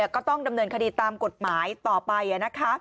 ก็ต้องดำเนินคดีตามกฎหมายต่อไปนะคะ